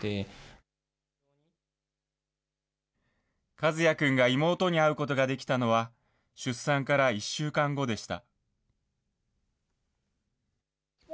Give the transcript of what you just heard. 和弥くんが妹に会うことができたのは、出産から１週間後でした。